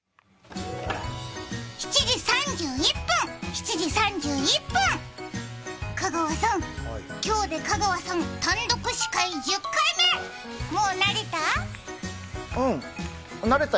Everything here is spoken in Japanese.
７時３１分、７時３１分、香川さん、今日で香川さん単独司会１０回目、もう慣れた？